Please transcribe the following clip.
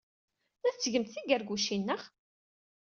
La d-tettgemt tigargucin, naɣ?